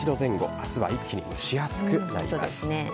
明日は一気に蒸し暑くなります。